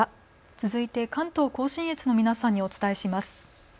続いて関東甲信越の皆さんにお伝えします。